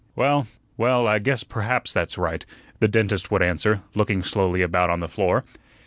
"Well, well, I guess perhaps that's right," the dentist would answer, looking slowly about on the floor.